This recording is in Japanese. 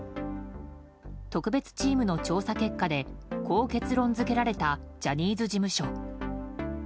特別チームの調査結果でこう結論付けられたジャニーズ事務所。